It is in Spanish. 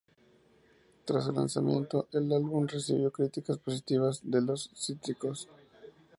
Tras su lanzamiento, el álbum recibió críticas positivas de los críticos.